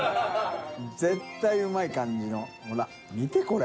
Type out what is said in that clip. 絶対うまい感じのほら見てこれ。